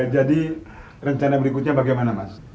jadi rencana berikutnya bagaimana mas